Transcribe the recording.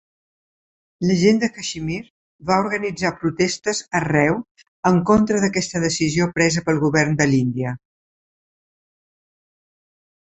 La gent de Kashmir va organitzar protestes arreu en contra d'aquesta decisió presa pel govern de l'Índia.